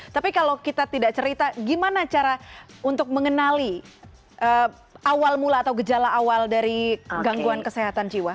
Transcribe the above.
tapi kalau kita tidak cerita gimana cara untuk mengenali awal mula atau gejala awal dari gangguan kesehatan jiwa